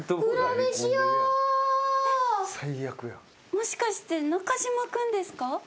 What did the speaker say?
もしかして中島君ですか？